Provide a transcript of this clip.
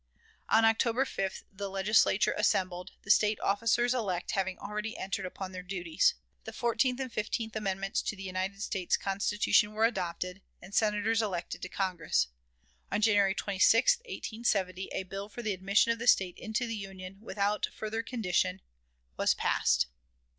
On October 5th the Legislature assembled, the State officers elect having already entered upon their duties. The fourteenth and fifteenth amendments to the United States Constitution were adopted, and Senators elected to Congress. On January 26, 1870, a bill for the admission of the State into the Union, "without further condition," was passed.